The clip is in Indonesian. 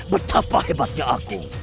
betapa hebatnya aku